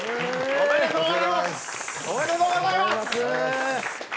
おめでとうございます。